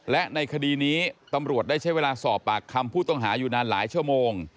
และในคดีนี้ตำรวจได้ใช้เวลาสอบปากคำผู้ต้องหาอยู่นานหลายชั่วโมง